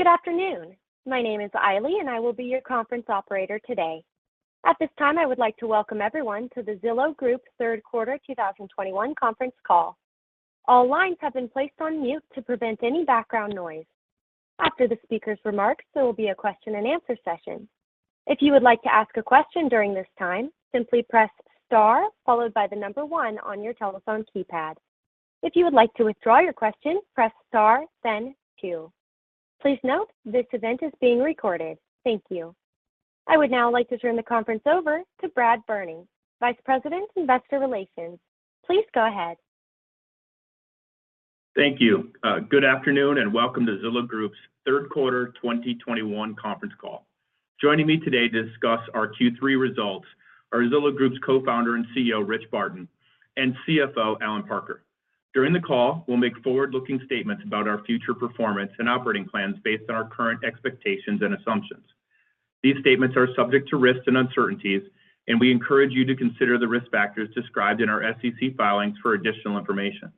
Good afternoon. My name is Aileen, and I will be your conference operator today. At this time, I would like to welcome everyone to the Zillow Group third quarter 2021 conference call. All lines have been placed on mute to prevent any background noise. After the speaker's remarks, there will be a question-and-answer session. If you would like to ask a question during this time, simply press star followed by the number one on your telephone keypad. If you would like to withdraw your question, press star then two. Please note, this event is being recorded. Thank you. I would now like to turn the conference over to Brad Berning, Vice President, Investor Relations. Please go ahead. Thank you. Good afternoon, and welcome to Zillow Group's third quarter 2021 conference call. Joining me today to discuss our Q3 results are Zillow Group's Co-Founder and CEO, Rich Barton, and CFO, Allen Parker. During the call, we'll make forward-looking statements about our future performance and operating plans based on our current expectations and assumptions. These statements are subject to risks and uncertainties, and we encourage you to consider the risk factors described in our SEC filings for additional information.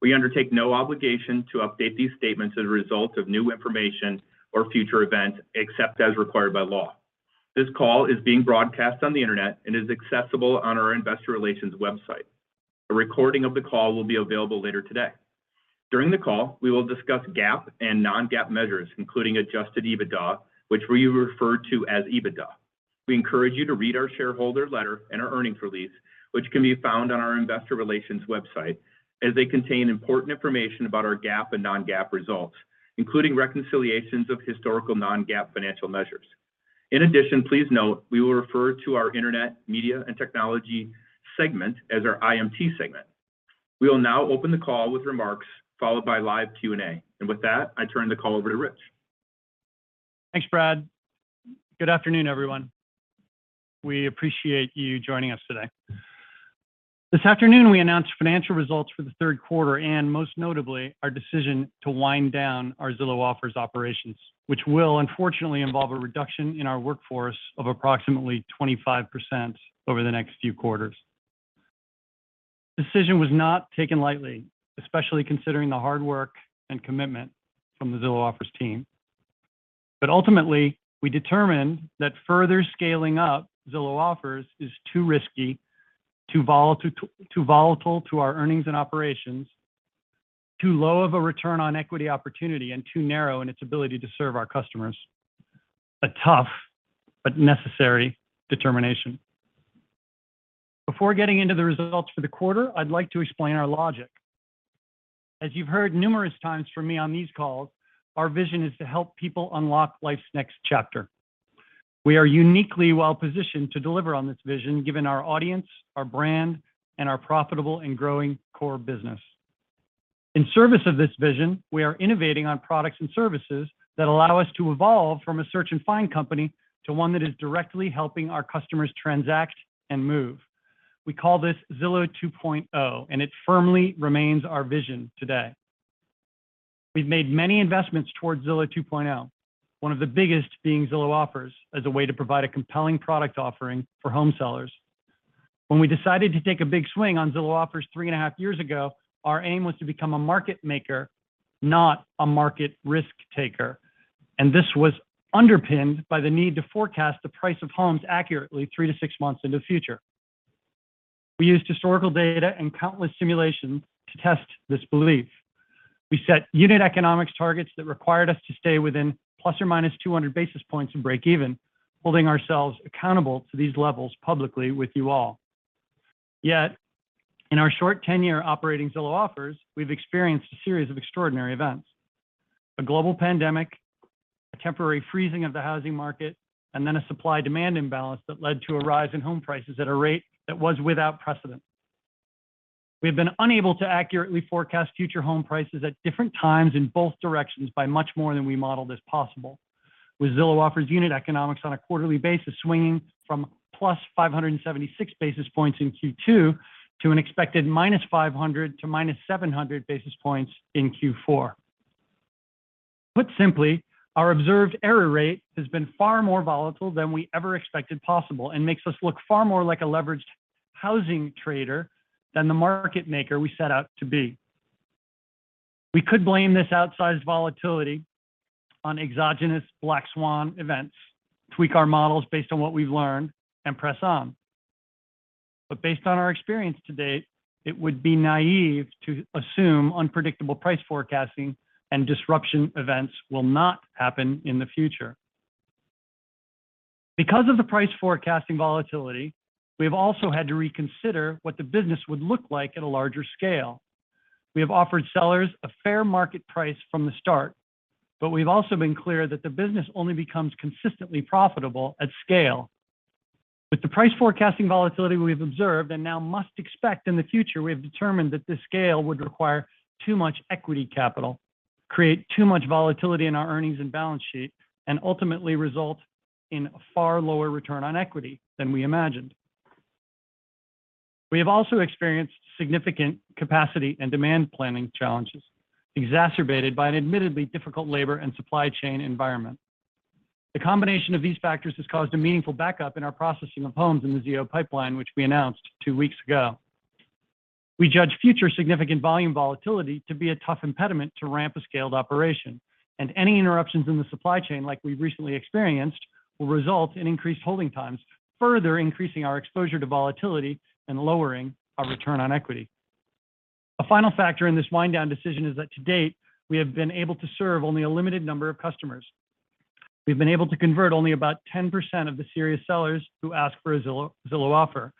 We undertake no obligation to update these statements as a result of new information or future events except as required by law. This call is being broadcast on the Internet and is accessible on our Investor Relations website. A recording of the call will be available later today. During the call, we will discuss GAAP and non-GAAP measures, including adjusted EBITDA, which we refer to as EBITDA. We encourage you to read our shareholder letter and our earnings release, which can be found on our Investor Relations website, as they contain important information about our GAAP and non-GAAP results, including reconciliations of historical non-GAAP financial measures. In addition, please note we will refer to our internet, media, and technology segment as our IMT segment. We will now open the call with remarks followed by live Q&A. With that, I turn the call over to Rich Barton. Thanks, Brad. Good afternoon, everyone. We appreciate you joining us today. This afternoon, we announced financial results for the third quarter and most notably, our decision to wind down our Zillow Offers operations, which will unfortunately involve a reduction in our workforce of approximately 25% over the next few quarters. This decision was not taken lightly, especially considering the hard work and commitment from the Zillow Offers team. Ultimately, we determined that further scaling up Zillow Offers is too risky, too volatile to our earnings and operations, too low of a return on equity opportunity, and too narrow in its ability to serve our customers. A tough but necessary determination. Before getting into the results for the quarter, I'd like to explain our logic. As you've heard numerous times from me on these calls, our vision is to help people unlock life's next chapter. We are uniquely well-positioned to deliver on this vision, given our audience, our brand, and our profitable and growing core business. In service of this vision, we are innovating on products and services that allow us to evolve from a search and find company to one that is directly helping our customers transact and move. We call this Zillow 2.0, and it firmly remains our vision today. We've made many investments towards Zillow 2.0, one of the biggest being Zillow Offers as a way to provide a compelling product offering for home sellers. When we decided to take a big swing on Zillow Offers 3.5 years ago, our aim was to become a market maker, not a market risk taker, and this was underpinned by the need to forecast the price of homes accurately three to six months in the future. We used historical data and countless simulations to test this belief. We set unit economics targets that required us to stay within ±200 basis points in break even, holding ourselves accountable to these levels publicly with you all. Yet, in our short tenure operating Zillow Offers, we've experienced a series of extraordinary events, a global pandemic, a temporary freezing of the housing market, and then a supply-demand imbalance that led to a rise in home prices at a rate that was without precedent. We have been unable to accurately forecast future home prices at different times in both directions by much more than we modeled as possible. With Zillow Offers unit economics on a quarterly basis swinging from +576 basis points in Q2 to an expected -500 to -700 basis points in Q4. Put simply, our observed error rate has been far more volatile than we ever expected possible and makes us look far more like a leveraged housing trader than the market maker we set out to be. We could blame this outsized volatility on exogenous black swan events, tweak our models based on what we've learned, and press on. Based on our experience to date, it would be naive to assume unpredictable price forecasting and disruption events will not happen in the future. Because of the price forecasting volatility, we have also had to reconsider what the business would look like at a larger scale. We have offered sellers a fair market price from the start, but we've also been clear that the business only becomes consistently profitable at scale. With the price forecasting volatility we have observed and now must expect in the future, we have determined that this scale would require too much equity capital, create too much volatility in our earnings and balance sheet, and ultimately result in a far lower return on equity than we imagined. We have also experienced significant capacity and demand planning challenges, exacerbated by an admittedly difficult labor and supply chain environment. The combination of these factors has caused a meaningful backup in our processing of homes in the ZO pipeline, which we announced two weeks ago. We judge future significant volume volatility to be a tough impediment to ramp a scaled operation, and any interruptions in the supply chain like we've recently experienced will result in increased holding times, further increasing our exposure to volatility and lowering our return on equity. A final factor in this wind down decision is that to date, we have been able to serve only a limited number of customers. We've been able to convert only about 10% of the serious sellers who ask for a Zillow Offer, and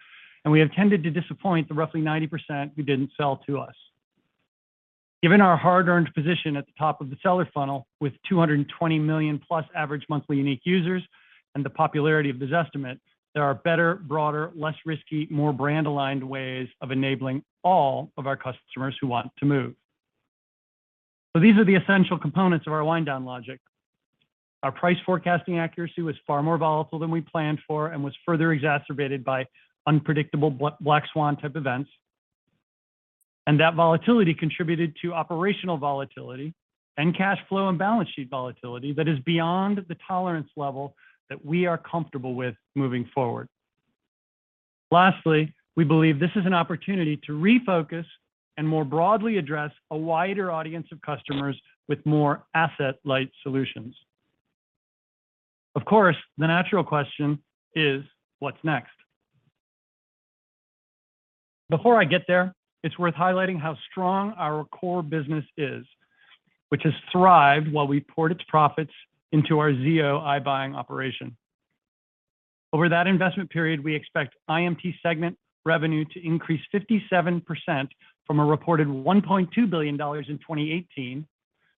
we have tended to disappoint the roughly 90% who didn't sell to us. Given our hard-earned position at the top of the seller funnel with 220+ million average monthly unique users and the popularity of Zestimate, there are better, broader, less risky, more brand-aligned ways of enabling all of our customers who want to move. These are the essential components of our wind down logic. Our price forecasting accuracy was far more volatile than we planned for and was further exacerbated by unpredictable black swan type events. That volatility contributed to operational volatility and cash flow and balance sheet volatility that is beyond the tolerance level that we are comfortable with moving forward. Lastly, we believe this is an opportunity to refocus and more broadly address a wider audience of customers with more asset-light solutions. Of course, the natural question is what's next? Before I get there, it's worth highlighting how strong our core business is, which has thrived while we poured its profits into our iBuying operation. Over that investment period, we expect IMT segment revenue to increase 57% from a reported $1.2 billion in 2018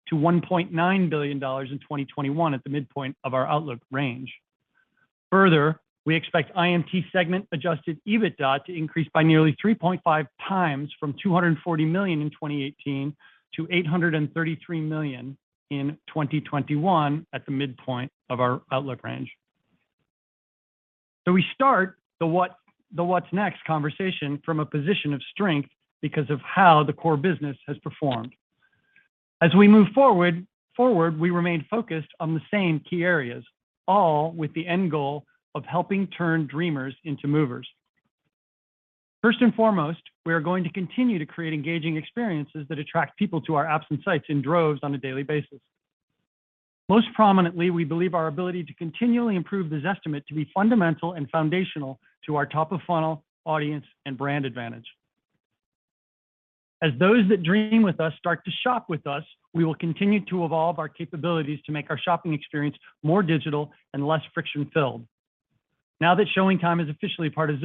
to $1.9 billion in 2021 at the midpoint of our outlook range. Further, we expect IMT segment adjusted EBITDA to increase by nearly 3.5 times from $240 million in 2018 to $833 million in 2021 at the midpoint of our outlook range. We start the what's next conversation from a position of strength because of how the core business has performed. As we move forward, we remain focused on the same key areas, all with the end goal of helping turn dreamers into movers. First and foremost, we are going to continue to create engaging experiences that attract people to our apps and sites in droves on a daily basis. Most prominently, we believe our ability to continually improve Zestimate to be fundamental and foundational to our top of funnel, audience, and brand advantage. As those that dream with us start to shop with us, we will continue to evolve our capabilities to make our shopping experience more digital and less friction-filled. Now that ShowingTime is officially part of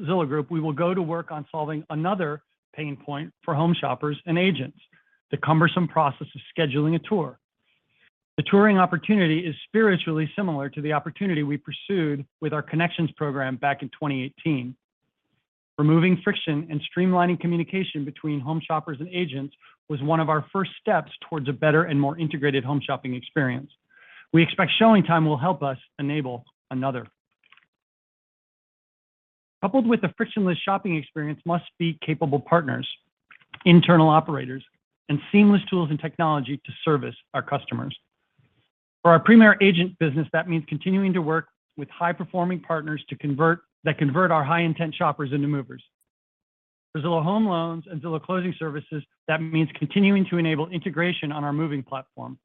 Zillow Group, we will go to work on solving another pain point for home shoppers and agents, the cumbersome process of scheduling a tour. The touring opportunity is spiritually similar to the opportunity we pursued with our Connections program back in 2018. Removing friction and streamlining communication between home shoppers and agents was one of our first steps towards a better and more integrated home shopping experience. We expect ShowingTime will help us enable another. Coupled with a frictionless shopping experience must be capable partners, internal operators, and seamless tools and technology to service our customers. For our Premier Agent business, that means continuing to work with high-performing partners to convert our high-intent shoppers into movers. For Zillow Home Loans and Zillow Closing Services, that means continuing to enable integration on our moving platform.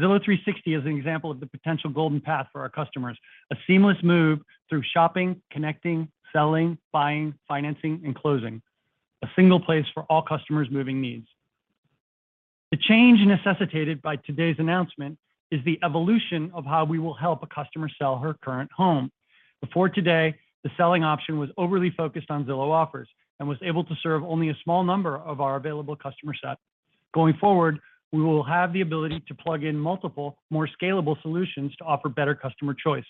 Zillow 360 is an example of the potential golden path for our customers, a seamless move through shopping, connecting, selling, buying, financing, and closing. A single place for all customers' moving needs. The change necessitated by today's announcement is the evolution of how we will help a customer sell her current home. Before today, the selling option was overly focused on Zillow Offers and was able to serve only a small number of our available customer set. Going forward, we will have the ability to plug in multiple, more scalable solutions to offer better customer choice.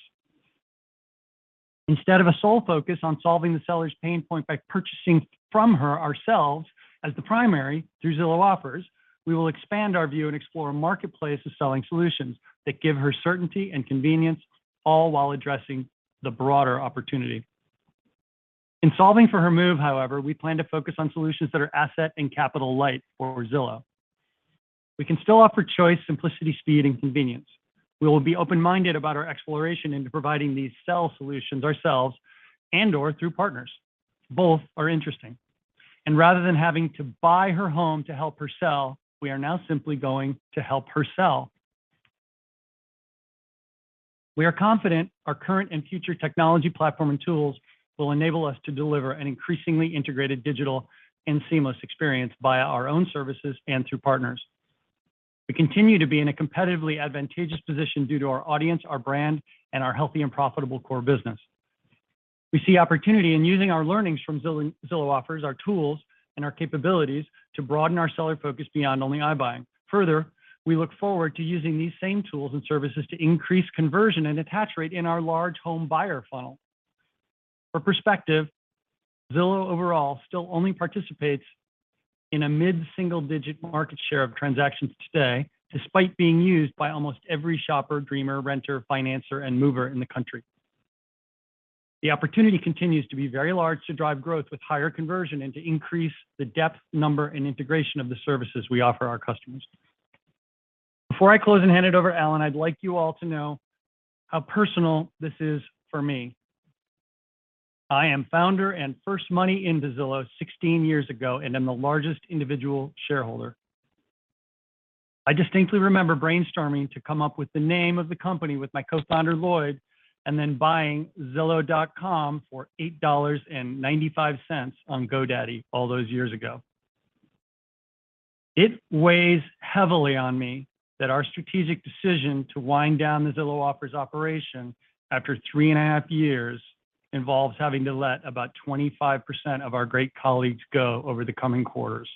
Instead of a sole focus on solving the seller's pain point by purchasing from her ourselves as the primary through Zillow Offers, we will expand our view and explore a marketplace of selling solutions that give her certainty and convenience all while addressing the broader opportunity. In solving for her move, however, we plan to focus on solutions that are asset and capital light for Zillow. We can still offer choice, simplicity, speed, and convenience. We will be open-minded about our exploration into providing these seller solutions ourselves and/or through partners. Both are interesting. Rather than having to buy her home to help her sell, we are now simply going to help her sell. We are confident our current and future technology platform and tools will enable us to deliver an increasingly integrated digital and seamless experience via our own services and through partners. We continue to be in a competitively advantageous position due to our audience, our brand, and our healthy and profitable core business. We see opportunity in using our learnings from Zillow Offers, our tools, and our capabilities to broaden our seller focus beyond only iBuying. Further, we look forward to using these same tools and services to increase conversion and attach rate in our large home buyer funnel. For perspective, Zillow overall still only participates in a mid-single-digit market share of transactions today, despite being used by almost every shopper, dreamer, renter, financer, and mover in the country. The opportunity continues to be very large to drive growth with higher conversion and to increase the depth, number, and integration of the services we offer our customers. Before I close and hand it over to Allen, I'd like you all to know how personal this is for me. I am Founder and first money in Zillow 16 years ago, and I'm the largest individual shareholder. I distinctly remember brainstorming to come up with the name of the company with my Co-Founder, Lloyd Frink, and then buying zillow.com for $8.95 on GoDaddy all those years ago. It weighs heavily on me that our strategic decision to wind down the Zillow Offers operation after 3.5 years involves having to let about 25% of our great colleagues go over the coming quarters.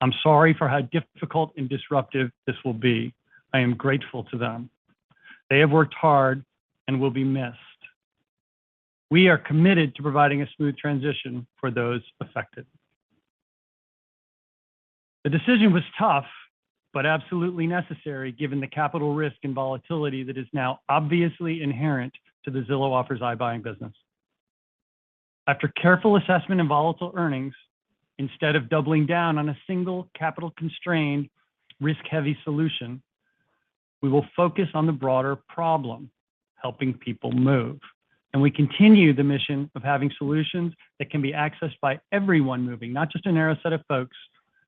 I'm sorry for how difficult and disruptive this will be. I am grateful to them. They have worked hard and will be missed. We are committed to providing a smooth transition for those affected. The decision was tough, but absolutely necessary given the capital risk and volatility that is now obviously inherent to the Zillow Offers iBuying business. After careful assessment and volatile earnings, instead of doubling down on a single capital-constrained, risk-heavy solution, we will focus on the broader problem, helping people move. We continue the mission of having solutions that can be accessed by everyone moving, not just a narrow set of folks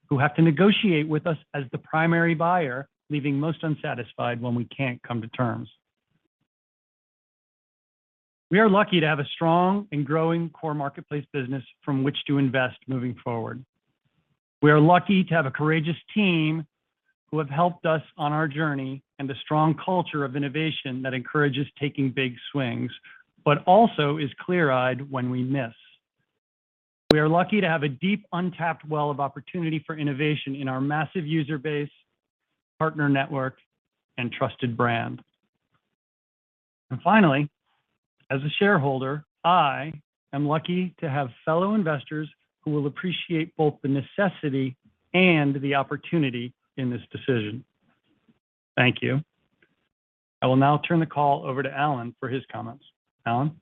who have to negotiate with us as the primary buyer, leaving most unsatisfied when we can't come to terms. We are lucky to have a strong and growing core marketplace business from which to invest moving forward. We are lucky to have a courageous team who have helped us on our journey and a strong culture of innovation that encourages taking big swings, but also is clear-eyed when we miss. We are lucky to have a deep, untapped well of opportunity for innovation in our massive user base, partner network, and trusted brand. Finally, as a shareholder, I am lucky to have fellow investors who will appreciate both the necessity and the opportunity in this decision. Thank you. I will now turn the call over to Allen for his comments. Allen?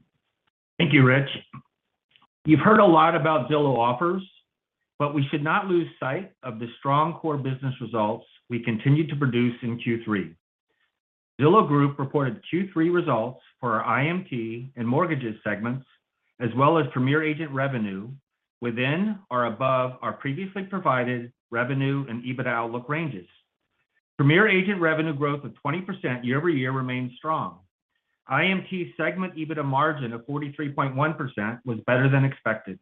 Thank you, Rich. You've heard a lot about Zillow Offers, but we should not lose sight of the strong core business results we continued to produce in Q3. Zillow Group reported Q3 results for our IMT and Mortgages segments, as well as Premier Agent revenue within or above our previously provided revenue and EBITDA outlook ranges. Premier Agent revenue growth of 20% year-over-year remains strong. IMT segment EBITDA margin of 43.1% was better than expected.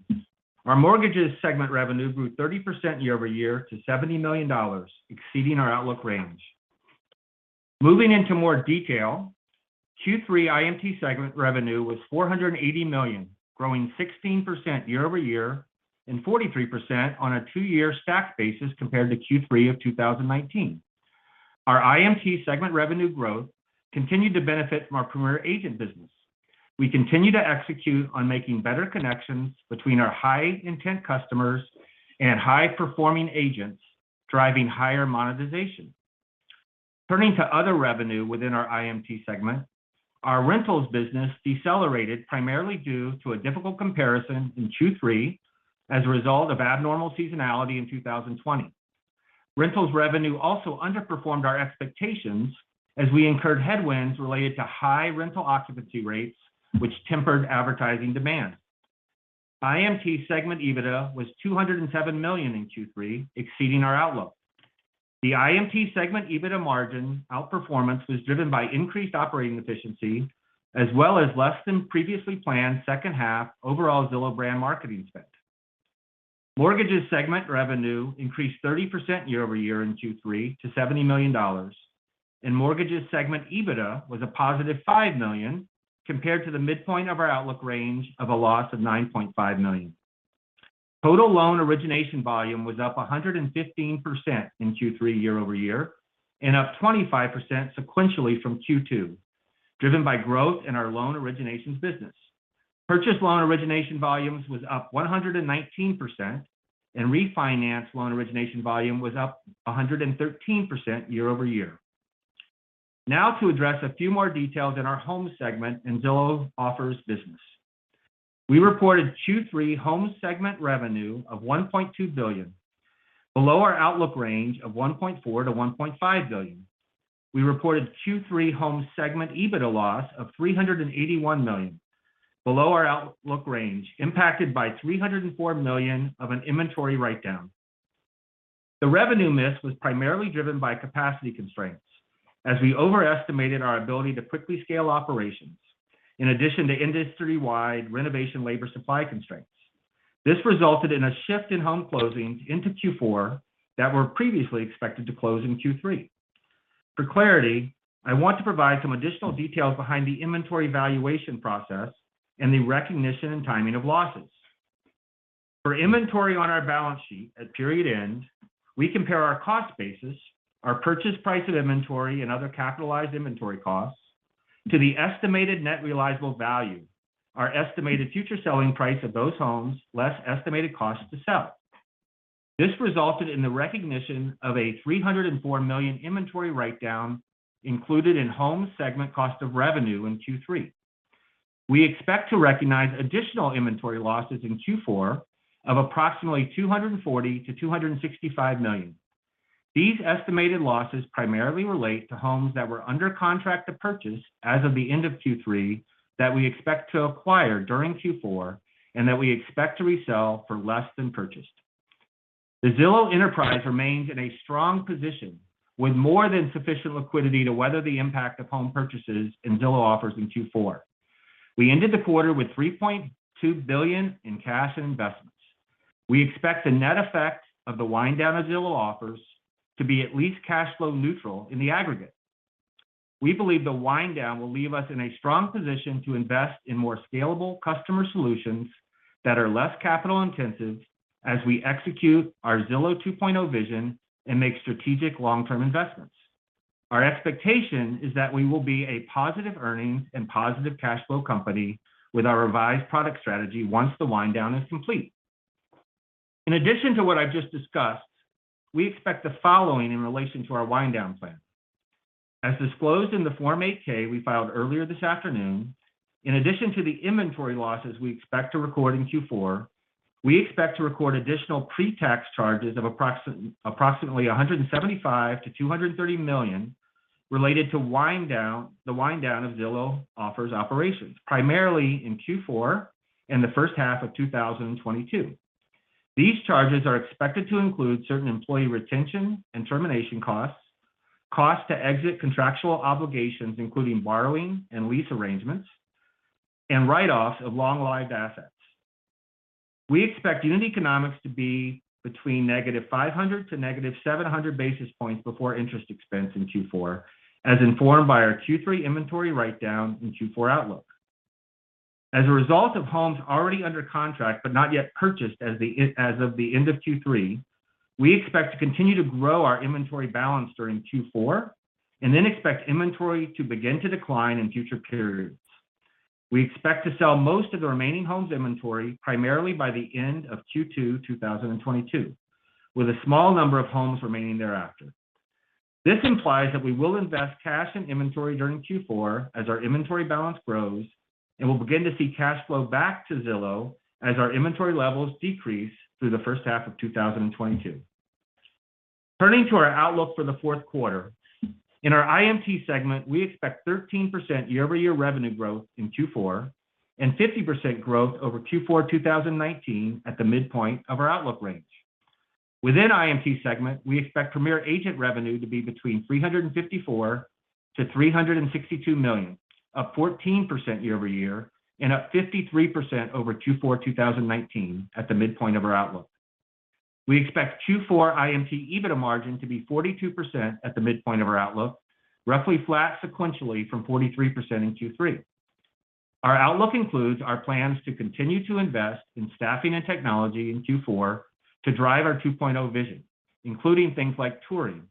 Our Mortgages segment revenue grew 30% year-over-year to $70 million, exceeding our outlook range. Moving into more detail, Q3 IMT segment revenue was $480 million, growing 16% year-over-year and 43% on a two-year stack basis compared to Q3 of 2019. Our IMT segment revenue growth continued to benefit from our Premier Agent business. We continue to execute on making better connections between our high-intent customers and high-performing agents, driving higher monetization. Turning to other revenue within our IMT segment, our Rentals business decelerated primarily due to a difficult comparison in Q3 as a result of abnormal seasonality in 2020. Rentals revenue also underperformed our expectations as we incurred headwinds related to high rental occupancy rates, which tempered advertising demand. IMT segment EBITDA was $207 million in Q3, exceeding our outlook. The IMT segment EBITDA margin outperformance was driven by increased operating efficiency as well as less than previously planned second half overall Zillow brand marketing spend. Mortgages segment revenue increased 30% year-over-year in Q3 to $70 million, and Mortgages segment EBITDA was a positive $5 million compared to the midpoint of our outlook range of a loss of $9.5 million. Total loan origination volume was up 115% in Q3 year-over-year and up 25% sequentially from Q2, driven by growth in our loan originations business. Purchased loan origination volumes was up 119%, and refinance loan origination volume was up 113% year-over-year. Now to address a few more details in our Homes segment and Zillow Offers business. We reported Q3 Homes segment revenue of $1.2 billion, below our outlook range of $1.4 billion-$1.5 billion. We reported Q3 Homes segment EBITDA loss of $381 million, below our outlook range, impacted by $304 million of an inventory write-down. The revenue miss was primarily driven by capacity constraints as we overestimated our ability to quickly scale operations in addition to industry-wide renovation labor supply constraints. This resulted in a shift in home closings into Q4 that were previously expected to close in Q3. For clarity, I want to provide some additional details behind the inventory valuation process and the recognition and timing of losses. For inventory on our balance sheet at period end, we compare our cost basis, our purchase price of inventory, and other capitalized inventory costs to the estimated net realizable value, our estimated future selling price of those homes, less estimated cost to sell. This resulted in the recognition of a $304 million inventory write-down included in Homes segment cost of revenue in Q3. We expect to recognize additional inventory losses in Q4 of approximately $240 million-$265 million. These estimated losses primarily relate to Homes that were under contract to purchase as of the end of Q3 that we expect to acquire during Q4 and that we expect to resell for less than purchased. The Zillow enterprise remains in a strong position with more than sufficient liquidity to weather the impact of home purchases and Zillow Offers in Q4. We ended the quarter with $3.2 billion in cash and investments. We expect the net effect of the wind down of Zillow Offers to be at least cash flow neutral in the aggregate. We believe the wind down will leave us in a strong position to invest in more scalable customer solutions that are less capital-intensive as we execute our Zillow 2.0 vision and make strategic long-term investments. Our expectation is that we will be a positive earnings and positive cash flow company with our revised product strategy once the wind down is complete. In addition to what I've just discussed, we expect the following in relation to our wind down plan. As disclosed in the Form 8-K we filed earlier this afternoon, in addition to the inventory losses we expect to record in Q4, we expect to record additional pre-tax charges of approximately $175 million-$230 million related to wind down, the wind down of Zillow Offers operations, primarily in Q4 and the first half of 2022. These charges are expected to include certain employee retention and termination costs to exit contractual obligations, including borrowing and lease arrangements, and write-offs of long-lived assets. We expect unit economics to be between -500 to -700 basis points before interest expense in Q4, as informed by our Q3 inventory write-down in Q4 outlook. As a result of homes already under contract but not yet purchased as of the end of Q3, we expect to continue to grow our inventory balance during Q4, and then expect inventory to begin to decline in future periods. We expect to sell most of the remaining homes inventory primarily by the end of Q2 2022, with a small number of homes remaining thereafter. This implies that we will invest cash and inventory during Q4 as our inventory balance grows, and we'll begin to see cash flow back to Zillow as our inventory levels decrease through the first half of 2022. Turning to our outlook for the fourth quarter. In our IMT segment, we expect 13% year-over-year revenue growth in Q4 and 50% growth over Q4 2019 at the midpoint of our outlook range. Within IMT segment, we expect Premier Agent revenue to be between $354 million-$362 million, up 14% year-over-year and up 53% over Q4 2019 at the midpoint of our outlook. We expect Q4 IMT EBITDA margin to be 42% at the midpoint of our outlook, roughly flat sequentially from 43% in Q3. Our outlook includes our plans to continue to invest in staffing and technology in Q4 to drive our 2.0 vision, including things like touring,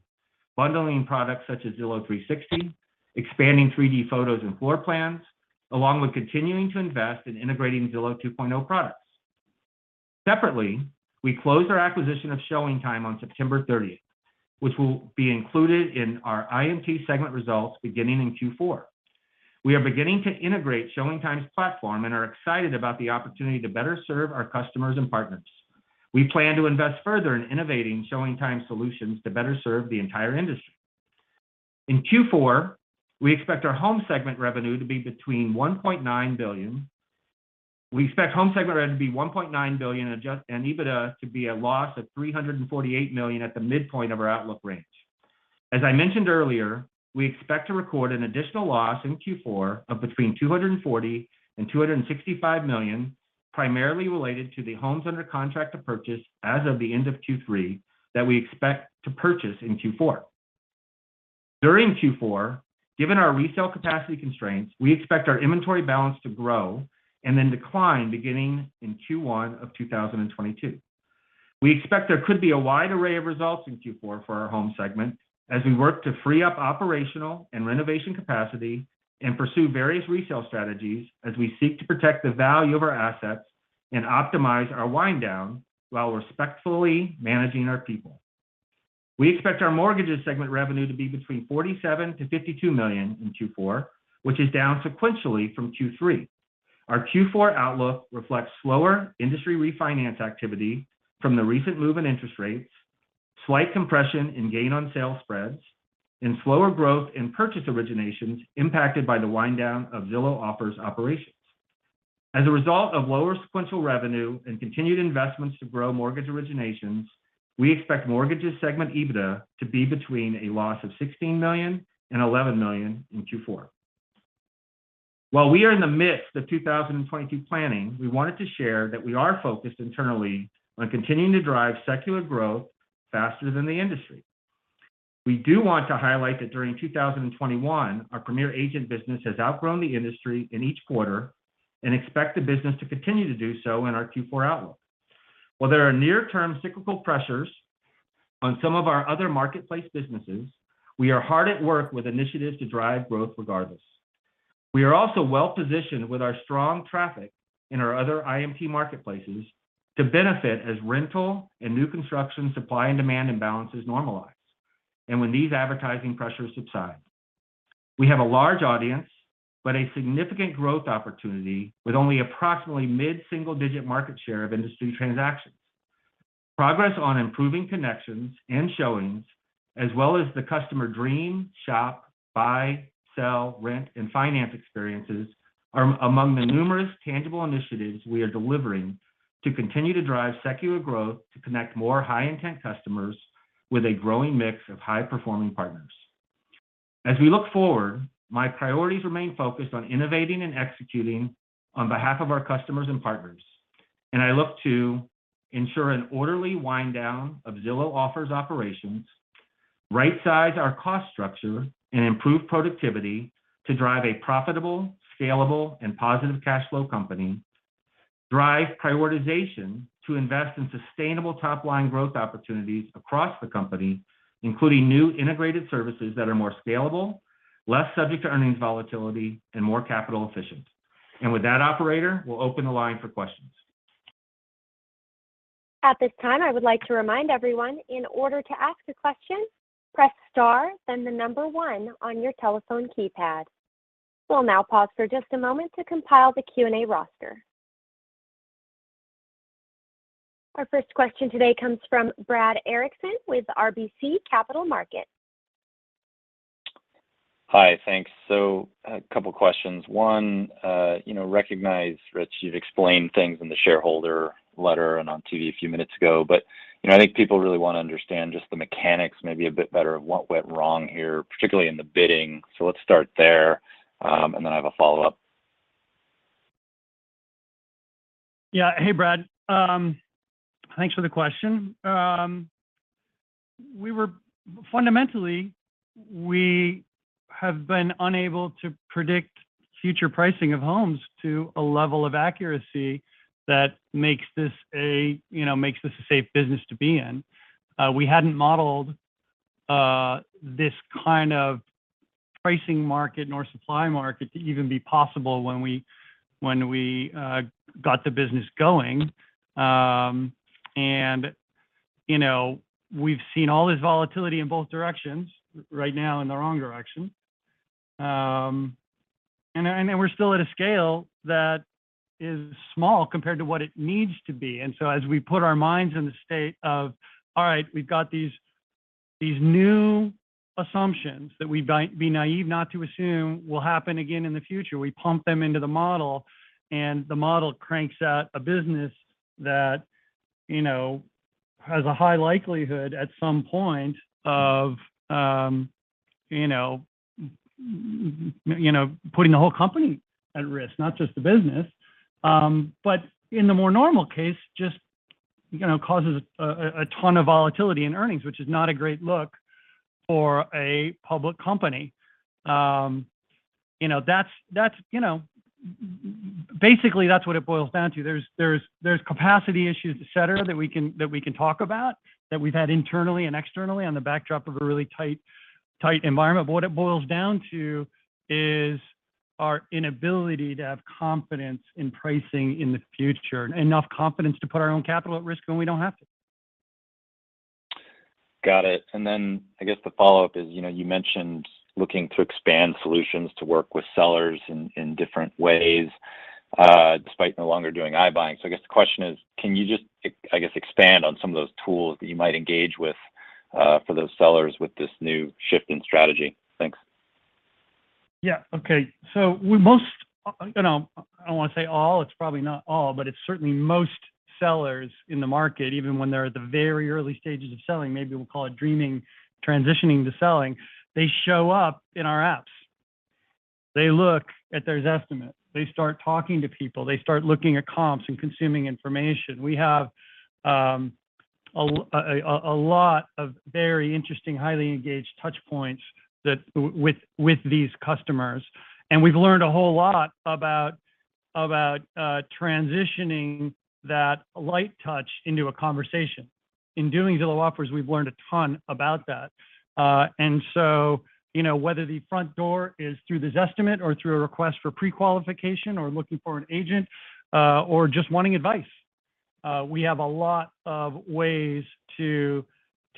bundling products such as Zillow 360, expanding 3D photos and floor plans, along with continuing to invest in integrating Zillow 2.0 products. Separately, we closed our acquisition of ShowingTime on September 30th, which will be included in our IMT segment results beginning in Q4. We are beginning to integrate ShowingTime's platform and are excited about the opportunity to better serve our customers and partners. We plan to invest further in innovating ShowingTime solutions to better serve the entire industry. We expect home segment revenue to be $1.9 billion and EBITDA to be a loss of $348 million at the midpoint of our outlook range. As I mentioned earlier, we expect to record an additional loss in Q4 of between $240 million and $265 million, primarily related to the homes under contract to purchase as of the end of Q3 that we expect to purchase in Q4. During Q4, given our resale capacity constraints, we expect our inventory balance to grow and then decline beginning in Q1 of 2022. We expect there could be a wide array of results in Q4 for our Homes segment as we work to free up operational and renovation capacity and pursue various resale strategies as we seek to protect the value of our assets and optimize our wind down while respectfully managing our people. We expect our Mortgages segment revenue to be between $47 million-$52 million in Q4, which is down sequentially from Q3. Our Q4 outlook reflects slower industry refinance activity from the recent move in interest rates, slight compression in gain on sale spreads, and slower growth in purchase originations impacted by the wind down of Zillow Offers operations. As a result of lower sequential revenue and continued investments to grow mortgage originations, we expect Mortgages segment EBITDA to be between a loss of $16 million and $11 million in Q4. While we are in the midst of 2022 planning, we wanted to share that we are focused internally on continuing to drive secular growth faster than the industry. We do want to highlight that during 2021, our Premier Agent business has outgrown the industry in each quarter and expect the business to continue to do so in our Q4 outlook. While there are near-term cyclical pressures on some of our other marketplace businesses, we are hard at work with initiatives to drive growth regardless. We are also well-positioned with our strong traffic in our other IMT marketplaces to benefit as rental and new construction supply and demand imbalance is normalized. When these advertising pressures subside. We have a large audience, but a significant growth opportunity with only approximately mid-single-digit market share of industry transactions. Progress on improving connections and showings, as well as the customer dream, shop, buy, sell, rent, and finance experiences are among the numerous tangible initiatives we are delivering to continue to drive secular growth to connect more high-intent customers with a growing mix of high-performing partners. As we look forward, my priorities remain focused on innovating and executing on behalf of our customers and partners. I look to ensure an orderly wind down of Zillow Offers operations, rightsize our cost structure, and improve productivity to drive a profitable, scalable, and positive cash flow company. Drive prioritization to invest in sustainable top-line growth opportunities across the company, including new integrated services that are more scalable, less subject to earnings volatility, and more capital efficient. With that, operator, we'll open the line for questions. At this time, I would like to remind everyone, in order to ask a question, press star then the number one on your telephone keypad. We'll now pause for just a moment to compile the Q&A roster. Our first question today comes from Brad Erickson with RBC Capital Markets. Hi. Thanks. A couple questions. One, you know, Rich, you've explained things in the shareholder letter and on TV a few minutes ago. You know, I think people really wanna understand just the mechanics maybe a bit better of what went wrong here, particularly in the bidding. Let's start there, and then I have a follow-up. Yeah. Hey, Brad. Thanks for the question. Fundamentally, we have been unable to predict future pricing of homes to a level of accuracy that makes this, you know, a safe business to be in. We hadn't modeled this kind of pricing market nor supply market to even be possible when we got the business going. You know, we've seen all this volatility in both directions. Right now in the wrong direction. We're still at a scale that is small compared to what it needs to be. As we put our minds in the state of, all right, we've got these new assumptions that we'd be naive not to assume will happen again in the future. We pump them into the model, and the model cranks out a business that, you know, has a high likelihood at some point of putting the whole company at risk, not just the business. But in the more normal case, just, you know, causes a ton of volatility in earnings, which is not a great look for a public company. You know, that's what it boils down to. There's capacity issues, et cetera, that we can talk about that we've had internally and externally on the backdrop of a really tight environment. But what it boils down to is our inability to have enough confidence in pricing in the future to put our own capital at risk when we don't have to. Got it. Then I guess the follow-up is, you know, you mentioned looking to expand solutions to work with sellers in different ways, despite no longer doing iBuying. I guess the question is: Can you just, I guess, expand on some of those tools that you might engage with for those sellers with this new shift in strategy? Thanks. You know, I don't wanna say all, it's probably not all, but it's certainly most sellers in the market, even when they're at the very early stages of selling, maybe we'll call it dreaming, transitioning to selling, they show up in our apps. They look at their Zestimate. They start talking to people. They start looking at comps and consuming information. We have a lot of very interesting, highly engaged touch points that with these customers, and we've learned a whole lot about transitioning that light touch into a conversation. In doing Zillow Offers, we've learned a ton about that. You know, whether the front door is through the Zestimate or through a request for prequalification or looking for an agent, or just wanting advice, we have a lot of ways to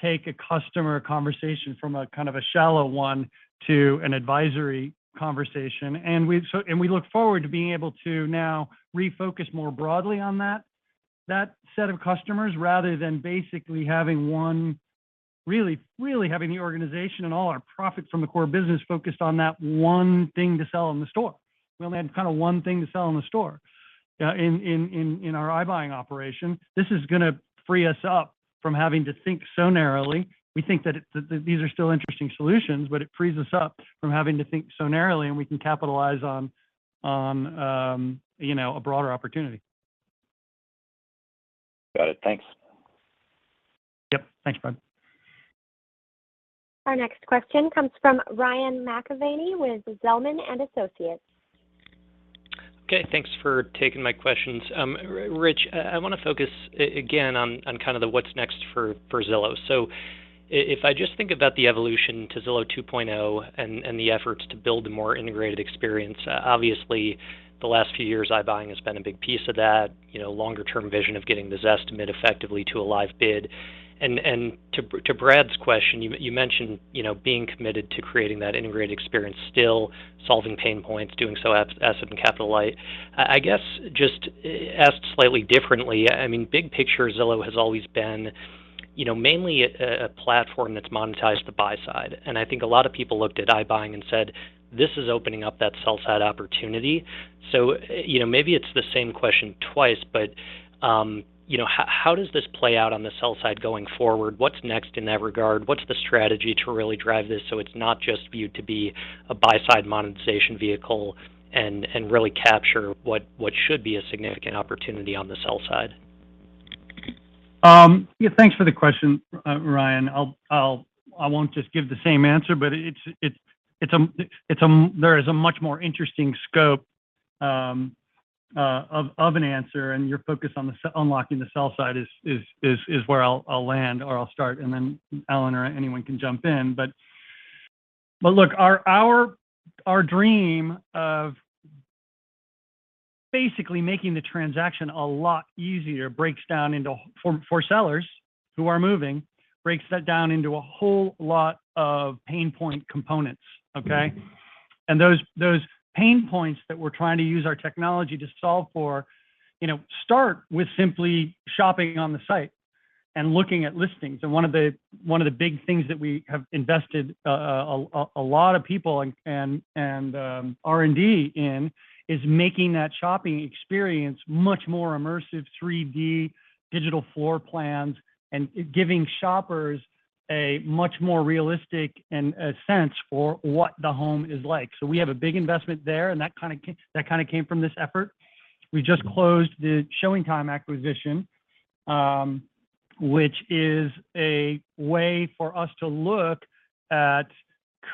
take a customer conversation from a kind of a shallow one to an advisory conversation. We look forward to being able to now refocus more broadly on that set of customers, rather than basically having one really having the organization and all our profit from the core business focused on that one thing to sell in the store. We only had kinda one thing to sell in the store, in our iBuying operation. This is gonna free us up from having to think so narrowly. We think that these are still interesting solutions, but it frees us up from having to think so narrowly, and we can capitalize on, you know, a broader opportunity. Got it. Thanks. Yep. Thanks, Brad. Our next question comes from Ryan McKeveny with Zelman & Associates. Okay, thanks for taking my questions. Rich, I want to focus again on kind of what's next for Zillow. If I just think about the evolution to Zillow 2.0 and the efforts to build a more integrated experience, obviously the last few years iBuying has been a big piece of that, you know, longer term vision of getting the Zestimate effectively to a live bid. To Brad's question, you mentioned, you know, being committed to creating that integrated experience, still solving pain points, doing so asset and capital light. I guess just asked slightly differently, I mean, big picture, Zillow has always been, you know, mainly a platform that's monetized the buy-side. I think a lot of people looked at iBuying and said, "This is opening up that sell-side opportunity." So, you know, maybe it's the same question twice, but, you know, how does this play out on the sell-side going forward? What's next in that regard? What's the strategy to really drive this so it's not just viewed to be a buy-side monetization vehicle and really capture what should be a significant opportunity on the sell-side? Yeah, thanks for the question, Ryan. I won't just give the same answer, but there is a much more interesting scope of an answer, and your focus on unlocking the sell-side is where I'll land or I'll start, and then Allen or anyone can jump in. Look, our dream of basically making the transaction a lot easier breaks down into for sellers who are moving, breaks that down into a whole lot of pain point components, okay? Those pain points that we're trying to use our technology to solve for, you know, start with simply shopping on the site and looking at listings. One of the big things that we have invested a lot in people and R&D in is making that shopping experience much more immersive, 3D digital floor plans and giving shoppers a much more realistic sense for what the home is like. We have a big investment there, and that kind of came from this effort. We just closed the ShowingTime acquisition, which is a way for us to look at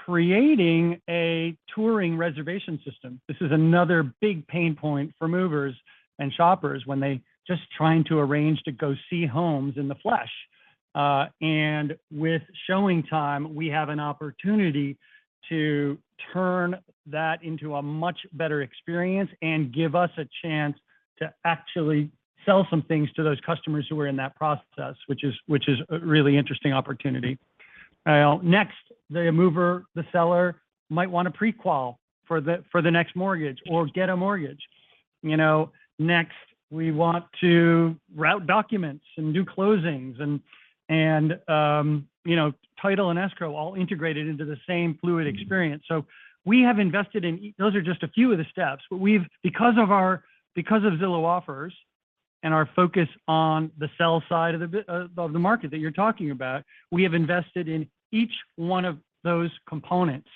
creating a touring reservation system. This is another big pain point for movers and shoppers when they just trying to arrange to go see homes in the flesh. With ShowingTime, we have an opportunity to turn that into a much better experience and give us a chance to actually sell some things to those customers who are in that process, which is a really interesting opportunity. Next, the mover, the seller might want to pre-qual for the next mortgage or get a mortgage. You know, next, we want to route documents and do closings and you know, title and escrow all integrated into the same fluid experience. We have invested in. Those are just a few of the steps, but because of Zillow Offers and our focus on the sell-side of the market that you're talking about, we have invested in each one of those components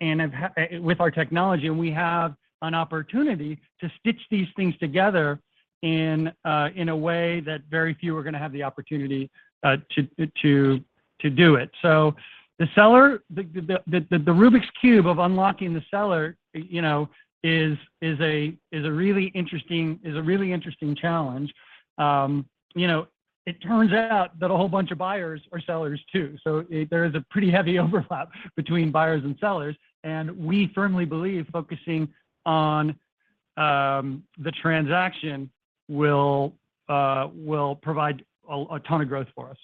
and have, with our technology, and we have an opportunity to stitch these things together in a way that very few are gonna have the opportunity to do it. The seller, the Rubik's Cube of unlocking the seller, you know, is a really interesting challenge. You know, it turns out that a whole bunch of buyers are sellers too. There is a pretty heavy overlap between buyers and sellers, and we firmly believe focusing on the transaction will provide a ton of growth for us.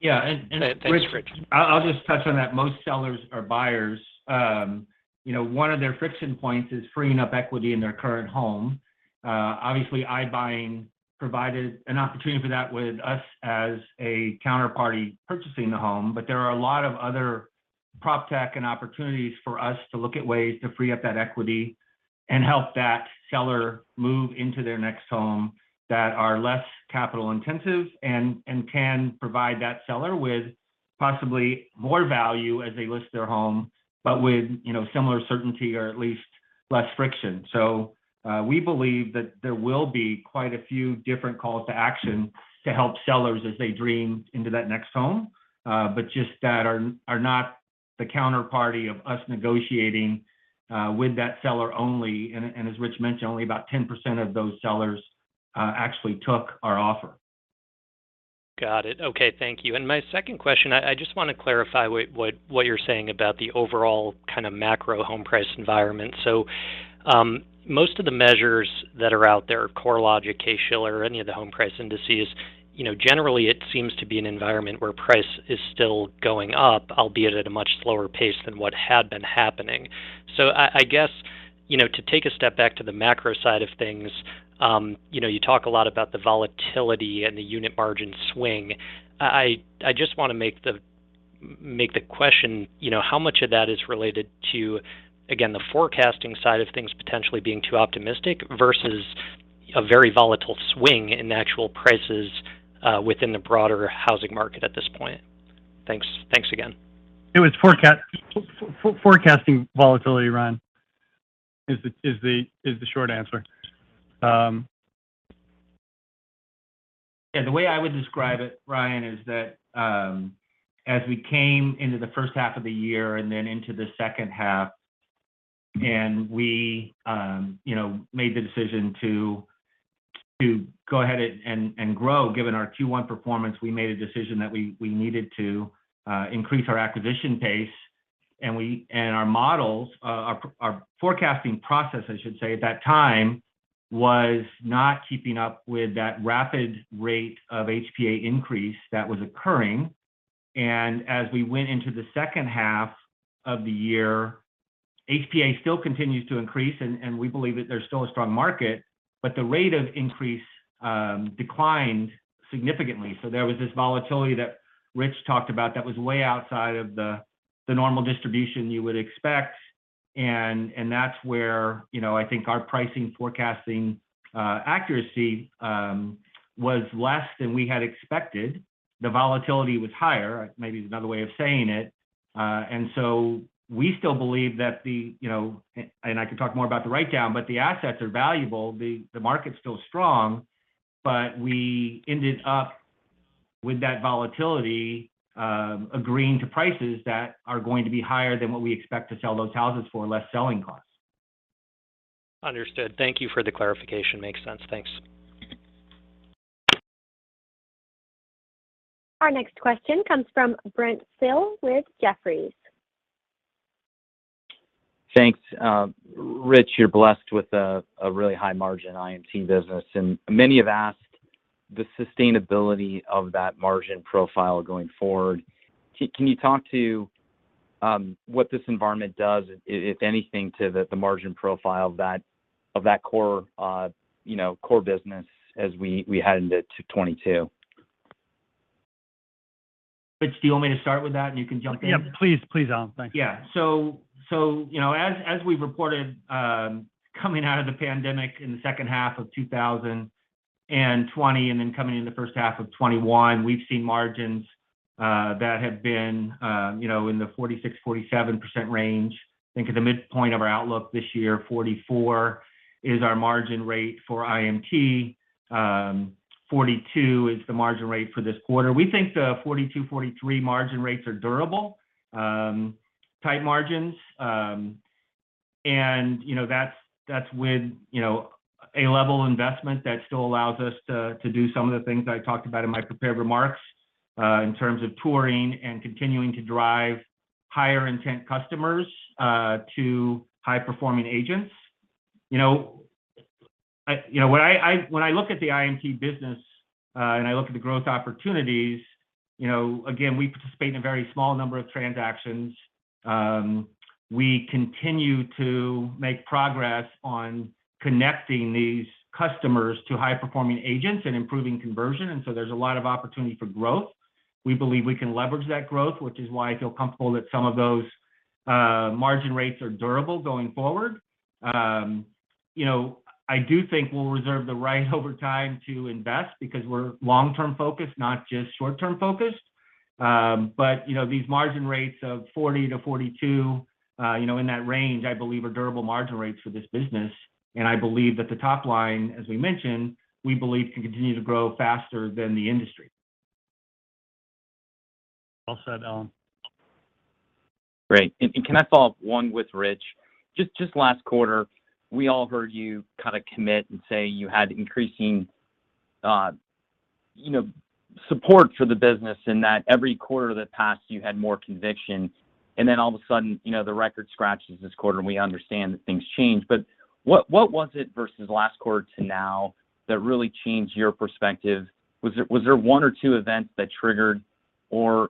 Yeah. Thanks, Rich. I'll just touch on that. Most sellers are buyers. You know, one of their friction points is freeing up equity in their current home. Obviously, iBuying provided an opportunity for that with us as a counterparty purchasing the home. There are a lot of other proptech and opportunities for us to look at ways to free up that equity and help that seller move into their next home that are less capital intensive and can provide that seller with possibly more value as they list their home, but with, you know, similar certainty or at least less friction. We believe that there will be quite a few different calls to action to help sellers as they dream into that next home, but just that are not the counterparty of us negotiating with that seller only. As Rich mentioned, only about 10% of those sellers actually took our offer. Got it. Okay, thank you. My second question, I just wanna clarify what you're saying about the overall kind of macro home price environment. Most of the measures that are out there, CoreLogic, Case-Shiller, any of the home price indices, you know, generally, it seems to be an environment where price is still going up, albeit at a much slower pace than what had been happening. I guess, you know, to take a step back to the macro side of things, you know, you talk a lot about the volatility and the unit margin swing. I just wanna make the question, you know, how much of that is related to, again, the forecasting side of things potentially being too optimistic versus a very volatile swing in actual prices within the broader housing market at this point? Thanks. Thanks again. It was forecasting volatility, Ryan, is the short answer. Yeah, the way I would describe it, Ryan, is that, as we came into the first half of the year and then into the second half, and we, you know, made the decision to go ahead and grow given our Q1 performance. We made a decision that we needed to increase our acquisition pace. Our models, our forecasting process, I should say, at that time was not keeping up with that rapid rate of HPA increase that was occurring. As we went into the second half of the year, HPA still continues to increase and we believe that there's still a strong market, but the rate of increase declined significantly. There was this volatility that Rich talked about that was way outside of the normal distribution you would expect. That's where, you know, I think our pricing forecasting accuracy was less than we had expected. The volatility was higher, maybe that's another way of saying it. We still believe that the, you know, I can talk more about the write-down, but the assets are valuable. The market's still strong, but we ended up with that volatility, agreeing to prices that are going to be higher than what we expect to sell those houses for, less selling costs. Understood. Thank you for the clarification. Makes sense. Thanks. Our next question comes from Brent Thill with Jefferies. Thanks. Rich, you're blessed with a really high margin IMT business, and many have asked the sustainability of that margin profile going forward. Can you talk to what this environment does, if anything, to the margin profile of that core business as we head into 2022? Rich, do you want me to start with that and you can jump in? Yeah, please, Allen. Thank you. Yeah. You know, as we've reported, coming out of the pandemic in the second half of 2020 and then coming into the first half of 2021, we've seen margins that have been, you know, in the 46%-47% range. I think at the midpoint of our outlook this year, 44% is our margin rate for IMT. 42% is the margin rate for this quarter. We think the 42%-43% margin rates are durable, tight margins. You know, that's with, you know, a level investment that still allows us to do some of the things I talked about in my prepared remarks, in terms of touring and continuing to drive higher intent customers to high-performing agents. You know, when I look at the IMT business and I look at the growth opportunities, you know, again, we participate in a very small number of transactions. We continue to make progress on connecting these customers to high-performing agents and improving conversion. There's a lot of opportunity for growth. We believe we can leverage that growth, which is why I feel comfortable that some of those margin rates are durable going forward. You know, I do think we'll reserve the right over time to invest because we're long-term focused, not just short-term focused. You know, these margin rates of 40%-42%, you know, in that range, I believe are durable margin rates for this business. I believe that the top line, as we mentioned, we believe can continue to grow faster than the industry. Well said, Allen. Great. Can I follow up on one with Rich? Just last quarter, we all heard you kind of commit and say you had increasing, you know, support for the business and that every quarter that passed, you had more conviction. Then all of a sudden, you know, the record scratches this quarter and we understand that things change. What was it versus last quarter to now that really changed your perspective? Was there one or two events that triggered or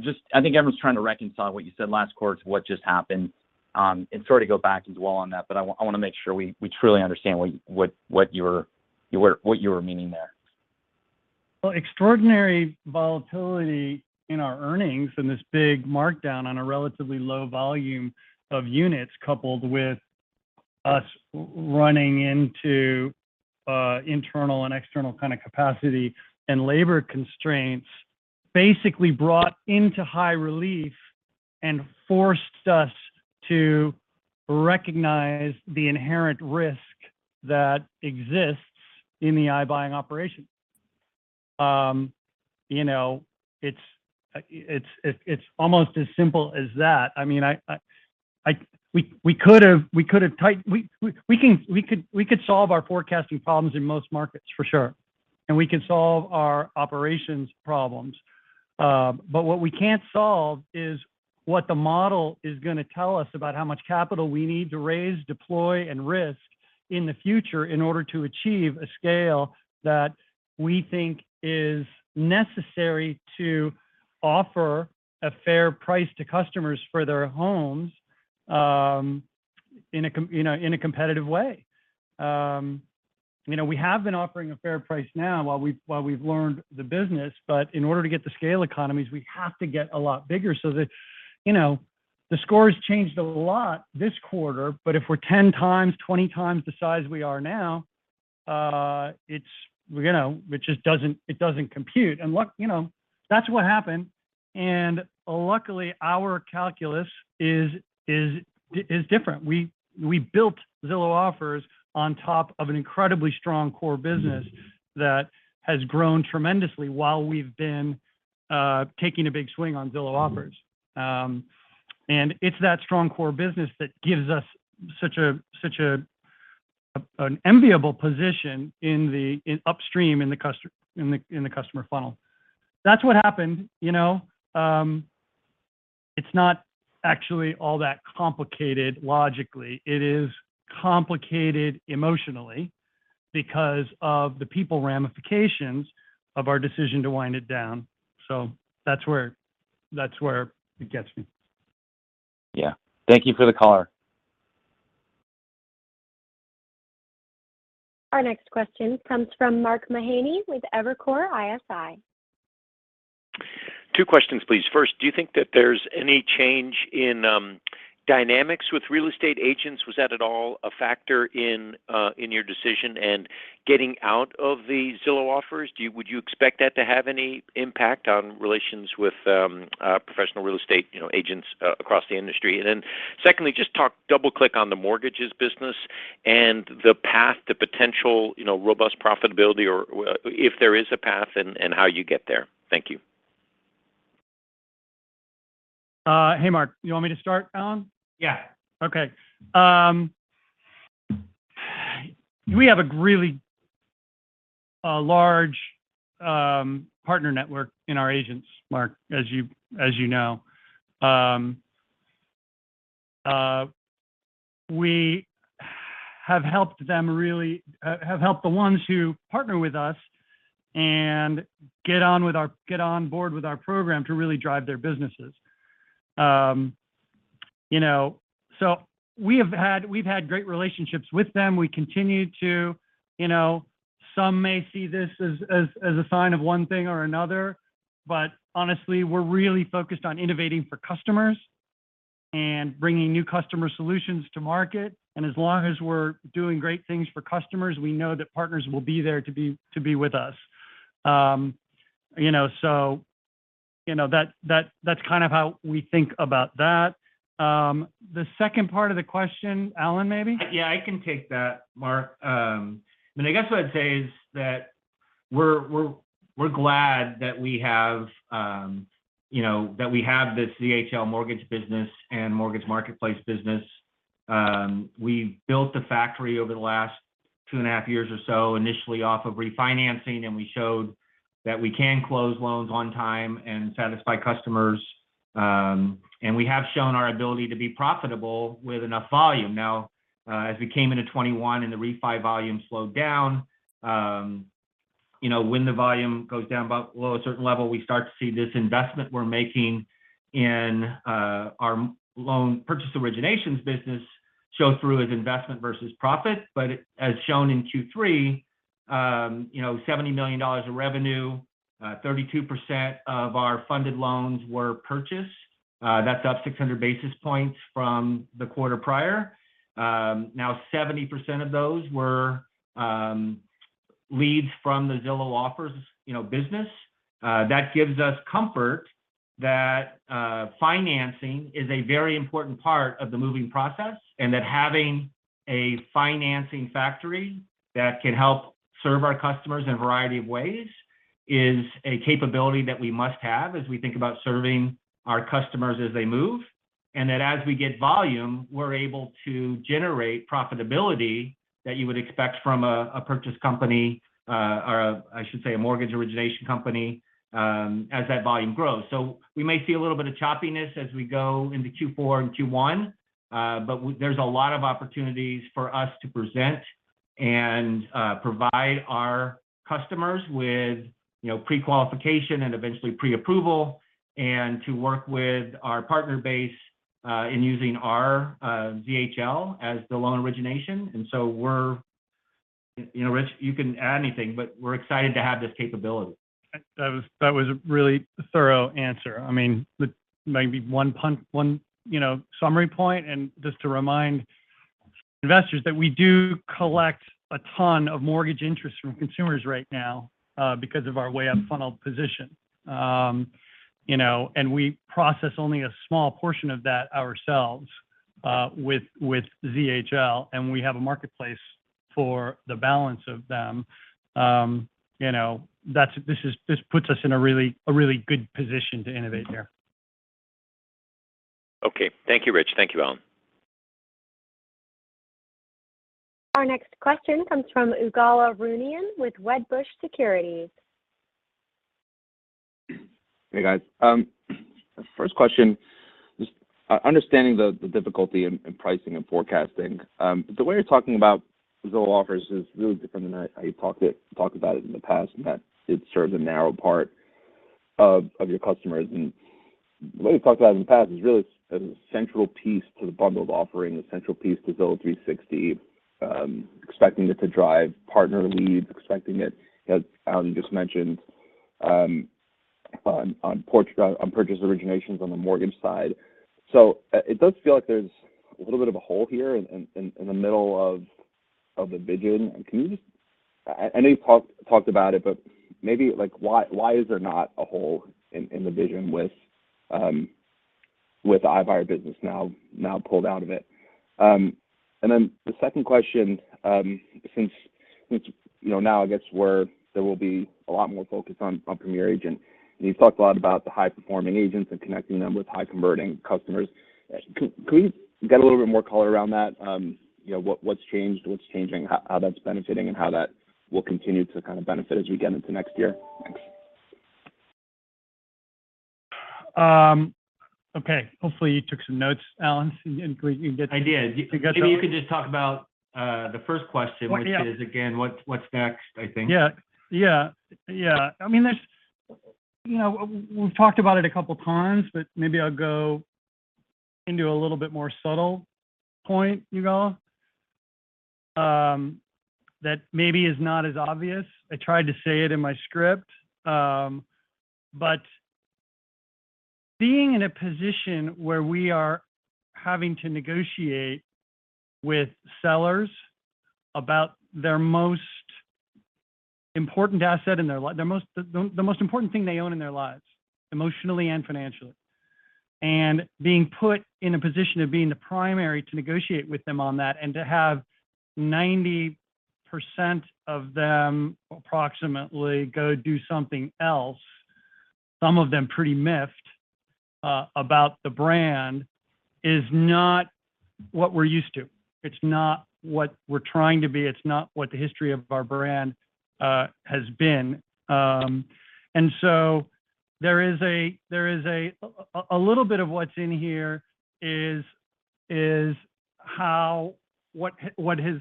just I think everyone's trying to reconcile what you said last quarter to what just happened, and sort of go back as well on that. I wanna make sure we truly understand what you were meaning there. Well, extraordinary volatility in our earnings and this big markdown on a relatively low volume of units, coupled with us running into internal and external kind of capacity and labor constraints, basically brought into high relief and forced us to recognize the inherent risk that exists in the iBuying operation. You know, it's almost as simple as that. I mean, we could solve our forecasting problems in most markets, for sure, and we can solve our operations problems. What we can't solve is what the model is gonna tell us about how much capital we need to raise, deploy, and risk in the future in order to achieve a scale that we think is necessary to offer a fair price to customers for their homes, you know, in a competitive way. You know, we have been offering a fair price now while we've learned the business. In order to get the scale economies, we have to get a lot bigger so that you know, the score has changed a lot this quarter, but if we're 10 times, 20 times the size we are now, you know, it just doesn't, it doesn't compute. Look, you know, that's what happened. Luckily, our calculus is different. We built Zillow Offers on top of an incredibly strong core business that has grown tremendously while we've been taking a big swing on Zillow Offers. It's that strong core business that gives us such an enviable position in upstream in the customer funnel. That's what happened, you know. It's not actually all that complicated logically. It is complicated emotionally because of the people ramifications of our decision to wind it down. That's where it gets me. Yeah. Thank you for the color. Our next question comes from Mark Mahaney with Evercore ISI. Two questions, please. First, do you think that there's any change in dynamics with real estate agents? Was that at all a factor in your decision in getting out of the Zillow Offers? Would you expect that to have any impact on relations with a professional real estate, you know, agents across the industry? Then secondly, double-click on the Mortgages business and the path to potential, you know, robust profitability or if there is a path and how you get there. Thank you. Hey, Mark. You want me to start, Allen? Yeah. Okay. We have a really large partner network in our agents, Mark, as you know. We have helped the ones who partner with us and get on board with our program to really drive their businesses. You know, we've had great relationships with them. We continue to. You know, some may see this as a sign of one thing or another, but honestly, we're really focused on innovating for customers and bringing new customer solutions to market. As long as we're doing great things for customers, we know that partners will be there to be with us. You know, that's kind of how we think about that. The second part of the question, Allen, maybe? Yeah, I can take that, Mark. I mean, I guess what I'd say is that we're glad that we have, you know, that we have this ZHL Mortgage business and Mortgage Marketplace business. We built the factory over the last 2.5 years or so, initially off of refinancing, and we showed that we can close loans on time and satisfy customers. We have shown our ability to be profitable with enough volume. Now, as we came into 2021 and the refi volume slowed down, you know, when the volume goes down below a certain level, we start to see this investment we're making in our loan purchase originations business show through as investment versus profit. As shown in Q3, you know, $70 million of revenue, 32% of our funded loans were purchased. That's up 600 basis points from the quarter prior. Now 70% of those were leads from the Zillow Offers, you know, business. That gives us comfort that financing is a very important part of the moving process, and that having a financing factory that can help serve our customers in a variety of ways is a capability that we must have as we think about serving our customers as they move, that as we get volume, we're able to generate profitability that you would expect from a purchase company or I should say a mortgage origination company, as that volume grows. We may see a little bit of choppiness as we go into Q4 and Q1. There's a lot of opportunities for us to present and provide our customers with, you know, prequalification and eventually preapproval, and to work with our partner base in using our ZHL as the loan origination. You know, Rich, you can add anything, but we're excited to have this capability. That was a really thorough answer. I mean, maybe one summary point, and just to remind investors that we do collect a ton of mortgage interest from consumers right now, because of our way up funnel position. You know, we process only a small portion of that ourselves, with ZHL, and we have a marketplace for the balance of them. You know, this puts us in a really good position to innovate here. Okay. Thank you, Rich. Thank you, Allen. Our next question comes from Ygal Arounian with Wedbush Securities. Hey, guys. First question, just understanding the difficulty in pricing and forecasting. The way you're talking about Zillow Offers is really different than how you talked about it in the past, in that it serves a narrow part of your customers. The way you talked about it in the past is really as a central piece to the bundled offering, the central piece to Zillow 360, expecting it to drive partner leads, expecting it, as Allen just mentioned, on purchase originations on the Mortgage side. It does feel like there's a little bit of a hole here in the middle of the vision. I know you've talked about it, but maybe, like, why is there not a hole in the vision with the iBuyer business now pulled out of it? The second question, since you know, now I guess there will be a lot more focus on Premier Agent, and you've talked a lot about the high-performing agents and connecting them with high-converting customers. Can we get a little bit more color around that? You know, what's changed, what's changing, how that's benefiting and how that will continue to kind of benefit as we get into next year? Thanks. Okay. Hopefully, you took some notes, Allen, so you and we can get. I did. You got that one. Maybe you could just talk about the first question. Oh, yeah. Which is, again, what's next, I think. Yeah. I mean, there's you know, we've talked about it a couple of times, but maybe I'll go into a little bit more subtle point, Ygal, that maybe is not as obvious. I tried to say it in my script, but being in a position where we are having to negotiate with sellers about their most important asset in their most important thing they own in their lives, emotionally and financially. Being put in a position of being the primary to negotiate with them on that and to have 90% of them, approximately, go do something else, some of them pretty miffed about the brand, is not what we're used to. It's not what we're trying to be. It's not what the history of our brand has been. There is a, there is a. A little bit of what's in here is how what has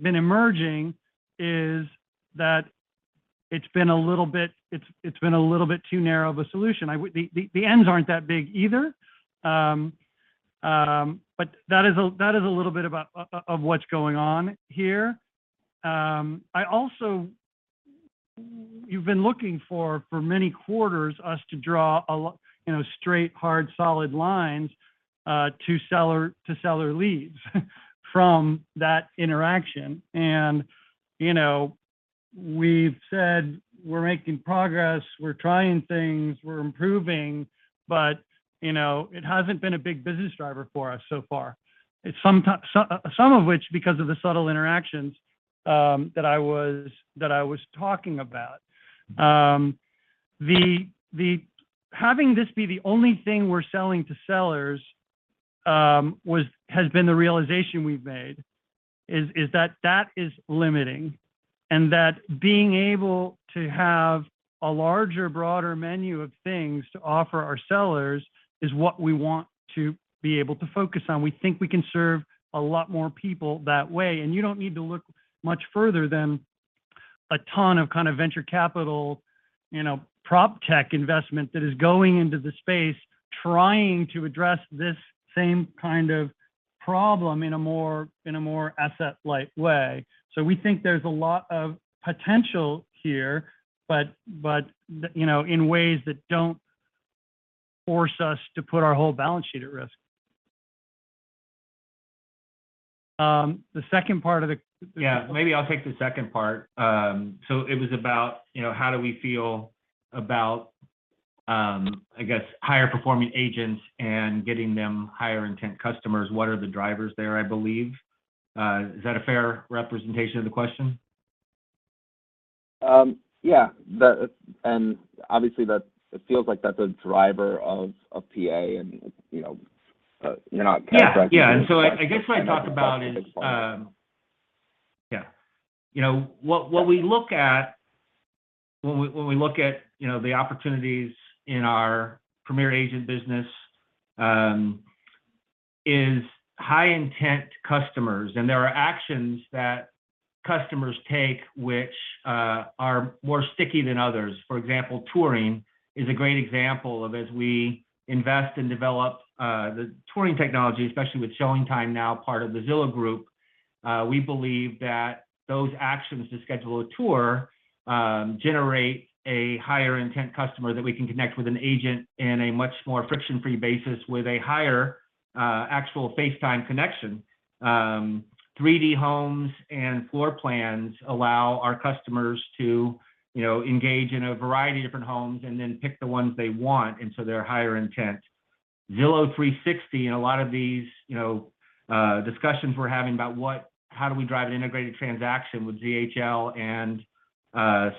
been emerging is that it's been a little bit too narrow of a solution. The ends aren't that big either, but that is a little bit of what's going on here. You've been looking for many quarters us to draw you know, straight, hard, solid lines to seller leads from that interaction. You know, we've said we're making progress, we're trying things, we're improving, but you know, it hasn't been a big business driver for us so far. It's sometimes some of which because of the subtle interactions that I was talking about. Having this be the only thing we're selling to sellers has been the realization we've made is that that is limiting, and that being able to have a larger, broader menu of things to offer our sellers is what we want to be able to focus on. We think we can serve a lot more people that way. You don't need to look much further than a ton of kind of venture capital, you know, proptech investment that is going into the space trying to address this same kind of problem in a more asset-light way. We think there's a lot of potential here, but you know, in ways that don't force us to put our whole balance sheet at risk. The second part of the. Yeah. Maybe I'll take the second part. So it was about, you know, how do we feel about, I guess higher-performing agents and getting them higher-intent customers? What are the drivers there, I believe. Is that a fair representation of the question? Obviously, that it feels like that's a driver of PA and, you know, you're not contractually. Yeah. I guess what I'd talk about is, you know, what we look at when we look at, you know, the opportunities in our Premier Agent business is high-intent customers. There are actions that customers take which are more sticky than others. For example, touring is a great example, as we invest and develop the touring technology, especially with ShowingTime now part of the Zillow Group, we believe that those actions to schedule a tour generate a higher-intent customer that we can connect with an agent in a much more friction-free basis with a higher actual face-time connection. 3D homes and floor plans allow our customers to, you know, engage in a variety of different homes and then pick the ones they want, and they're higher intent. Zillow 360 and a lot of these, you know, discussions we're having about how do we drive an integrated transaction with ZHL and,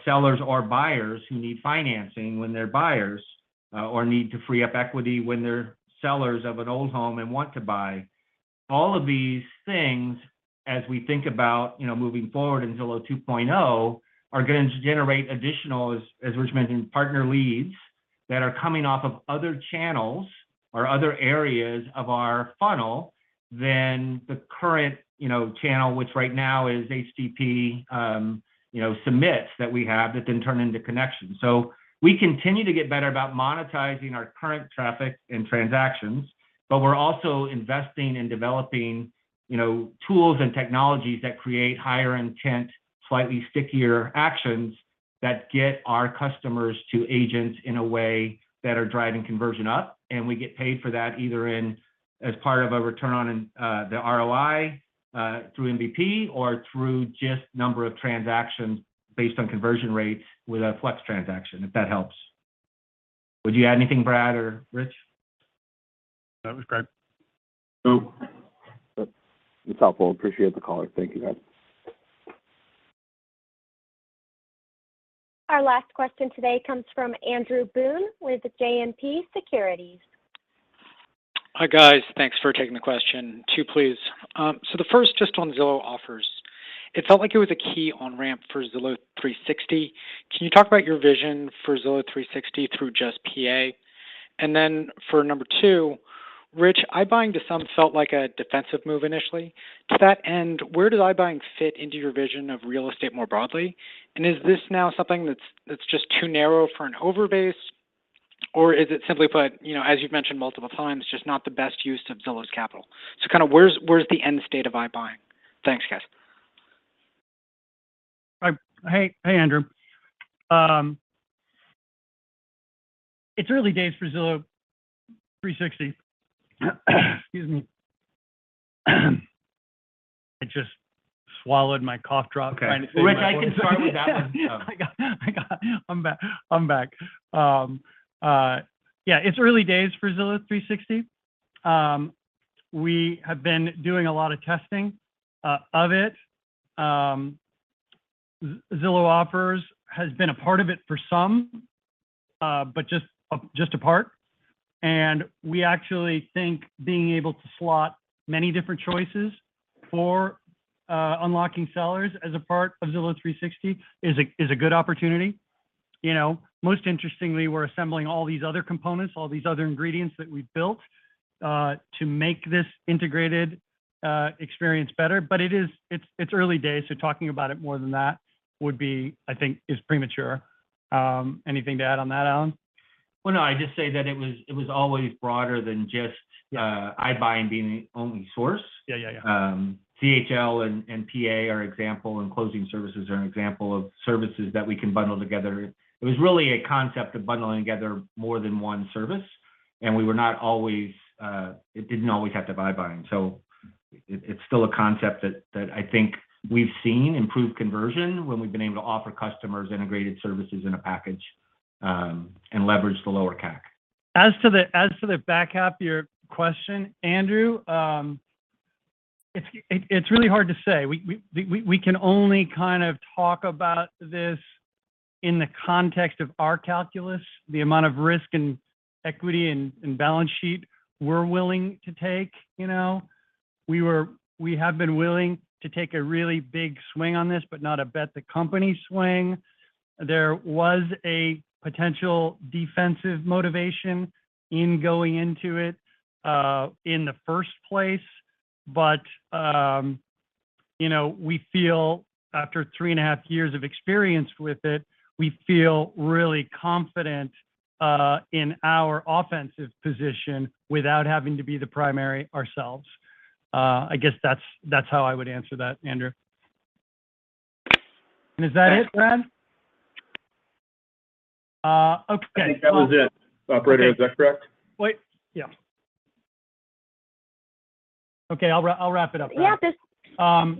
sellers or buyers who need financing when they're buyers, or need to free up equity when they're sellers of an old home and want to buy. All of these things as we think about, you know, moving forward in Zillow 2.0 are going to generate additional, as Rich mentioned, partner leads that are coming off of other channels or other areas of our funnel than the current, you know, channel, which right now is HDP, submissions that we have that then turn into connections. We continue to get better about monetizing our current traffic and transactions, but we're also investing in developing, you know, tools and technologies that create higher intent, slightly stickier actions that get our customers to agents in a way that are driving conversion up. We get paid for that either in as part of a return on the ROI through MVP or through just number of transactions based on conversion rates with a Flex transaction, if that helps. Would you add anything, Brad or Rich? That was great. No. That's helpful. Appreciate the color. Thank you, guys. Our last question today comes from Andrew Boone with JMP Securities. Hi, guys. Thanks for taking the question. Two, please. The first just on Zillow Offers. It felt like it was a key on-ramp for Zillow 360. Can you talk about your vision for Zillow 360 through just PA? For number two, Rich, iBuying to some felt like a defensive move initially. To that end, where does iBuying fit into your vision of real estate more broadly? Is this now something that's just too narrow for an overage? Is it simply put, you know, as you've mentioned multiple times, just not the best use of Zillow's capital? Kind of where's the end state of iBuying? Thanks, guys. Hi. Hey, Andrew. It's early days for Zillow 360. Excuse me. I just swallowed my cough drop. Okay. Rich, I can. We can start with that one. Yeah, it's early days for Zillow 360. We have been doing a lot of testing of it. Zillow Offers has been a part of it for some, but just a part. We actually think being able to slot many different choices for unlocking sellers as a part of Zillow 360 is a good opportunity. You know, most interestingly, we're assembling all these other components, all these other ingredients that we've built to make this integrated experience better. It's early days, so talking about it more than that would be, I think, premature. Anything to add on that, Allen? Well, no, I'd just say that it was always broader than just iBuying being the only source. Yeah, yeah. ZHL and PA are examples, and closing services are an example of services that we can bundle together. It was really a concept of bundling together more than one service. It didn't always have to be buying. It's still a concept that I think we've seen improve conversion when we've been able to offer customers integrated services in a package, and leverage the lower CAC. As to the back half of your question, Andrew, it's really hard to say. We can only kind of talk about this in the context of our calculus, the amount of risk and equity and balance sheet we're willing to take, you know? We have been willing to take a really big swing on this, but not a bet the company swing. There was a potential defensive motivation in going into it in the first place. You know, we feel after three and a half years of experience with it, really confident in our offensive position without having to be the primary ourselves. I guess that's how I would answer that, Andrew. Is that it then? Okay. I think that was it. Operator, is that correct? Wait. Yeah. Okay. I'll wrap it up, Brad. Yeah.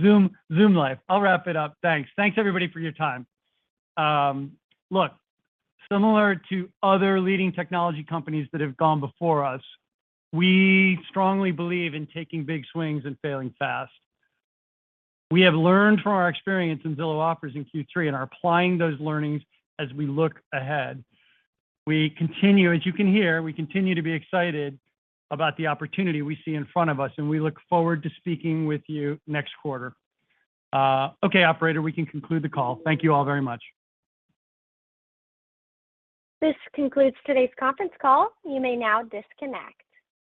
Zoom life. I'll wrap it up. Thanks. Thanks everybody for your time. Look, similar to other leading technology companies that have gone before us, we strongly believe in taking big swings and failing fast. We have learned from our experience in Zillow Offers in Q3 and are applying those learnings as we look ahead. We continue, as you can hear, to be excited about the opportunity we see in front of us, and we look forward to speaking with you next quarter. Okay, operator, we can conclude the call. Thank you all very much. This concludes today's conference call. You may now disconnect.